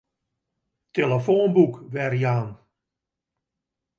Tillefoanboek werjaan.